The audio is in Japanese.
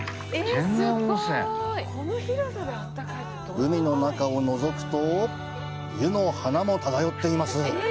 海の中をのぞくと、湯の花も漂っています。